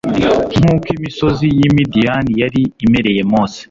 Nk'uko imisozi y' i Midiani yari imereye Mose,